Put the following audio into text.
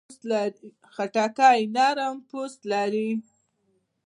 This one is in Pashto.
خټکی نرم پوست لري.